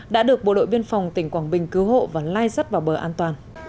đã được bộ đội biên phòng tỉnh quảng bình cứu hộ và lai dắt vào bờ an toàn